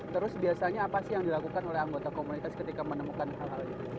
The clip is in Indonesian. terus biasanya apa sih yang dilakukan oleh anggota komunitas ketika menemukan hal hal itu